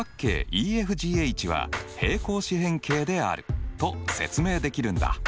ＥＦＧＨは平行四辺形であると説明できるんだ。